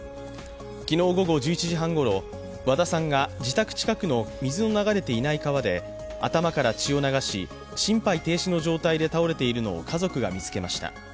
昨日午後１１時半ごろ、和田さんが自宅近くの水の流れていない川で頭から血を流し心肺停止の状態で倒れているのを家族が見つけました。